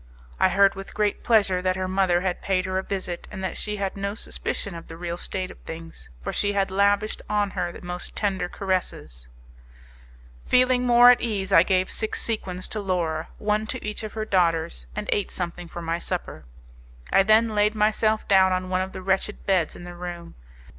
I heard with great pleasure that her mother had paid her a visit, and that she had no suspicion of the real state of things, for she had lavished on her the most tender caresses. Feeling more at ease I gave six sequins to Laura, one to each of her daughters, and ate something for my supper: I then laid myself down on one of the wretched beds in the room.